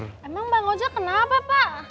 emang bang ojek kenapa pak